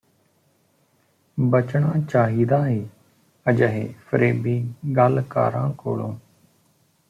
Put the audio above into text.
ਬਚਣਾ ਚਾਹੀਦਾ ਏ ਅਜੇਹੇ ਫਰੇਬੀ ਗੱਲਕਾਰਾਂ ਕੋਲੋਂ